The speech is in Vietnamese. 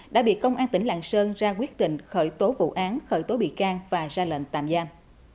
đã bị công an tỉnh lạng sơn ra quyết định khởi tố vụ án khởi tố bị can và ra lệnh tạm giam